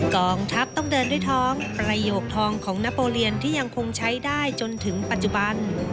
กองทัพต้องเดินด้วยท้องประโยคทองของนโปรเลียนที่ยังคงใช้ได้จนถึงปัจจุบัน